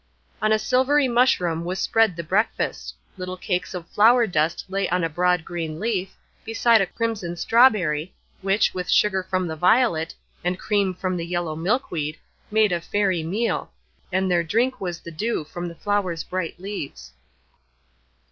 On a silvery mushroom was spread the breakfast; little cakes of flower dust lay on a broad green leaf, beside a crimson strawberry, which, with sugar from the violet, and cream from the yellow milkweed, made a fairy meal, and their drink was the dew from the flowers' bright leaves.